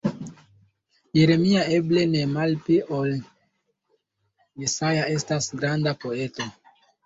Jeremia, eble ne malpli ol Jesaja, estas granda poeto.